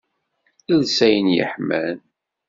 Els ayen yeḥman.